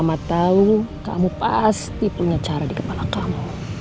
mama tahu kamu pasti punya cara di kepala kamu